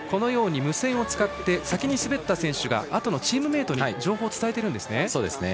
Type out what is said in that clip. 無線を使って先に滑った選手があとのチームメートに情報を伝えてるんですね。